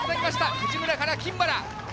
藤村から金原。